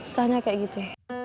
susahnya kayak gitu